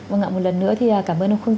vâng ạ một lần nữa thì cảm ơn ông không